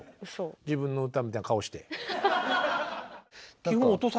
自分の歌みたいな顔して。